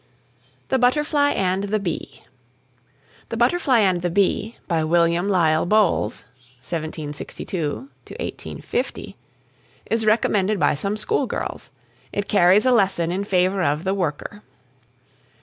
THE BUTTERFLY AND THE BEE. "The Butterfly and the Bee," by William Lisle Bowles (1762 1850), is recommended by some school girls. It carries a lesson in favour of the worker.